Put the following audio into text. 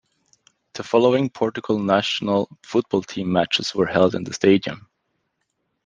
The following Portugal national football team matches were held in the stadium.